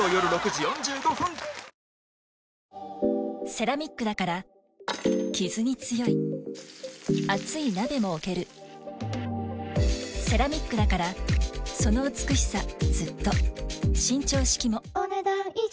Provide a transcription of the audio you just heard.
セラミックだからキズに強い熱い鍋も置けるセラミックだからその美しさずっと伸長式もお、ねだん以上。